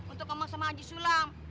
untuk sama haji sulam